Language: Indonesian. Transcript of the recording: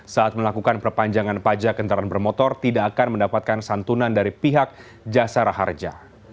saat melakukan perpanjangan pajak kendaraan bermotor tidak akan mendapatkan santunan dari pihak jasara harja